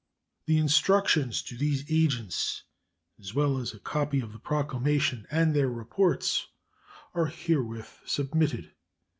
The instructions to these agents, as well as a copy of the proclamation and their reports, are herewith submitted.